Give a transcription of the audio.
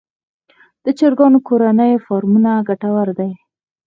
د چرګانو کورني فارمونه ګټور دي